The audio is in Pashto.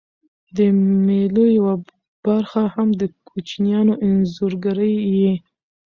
د مېلو یوه برخه هم د کوچنيانو انځورګرۍ يي.